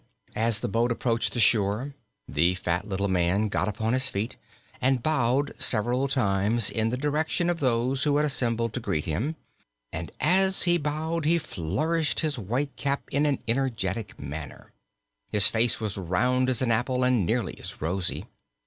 As the boat approached the shore the fat little man got upon his feet and bowed several times in the direction of those who had assembled to greet him, and as he bowed he flourished his white cap in an energetic manner. His face was round as an apple and nearly as rosy.